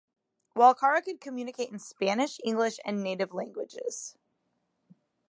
Walkara could communicate in Spanish, English, and native languages.